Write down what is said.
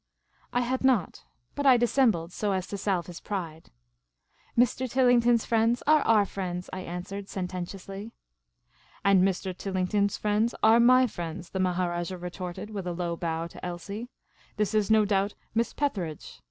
I had not ; but I dissembled, so as to salve his pride. " Mr. Tillington's friends are i;«r friends, " I answered, sen tentiously. I AM THE MAHARAJAH OF MOOZUFFERNUGGAR. " And Mr. Tillington's friends are my friends," the Maharajah retorted, with a low bow to Elsie. " This is no doubt Miss Petheridge.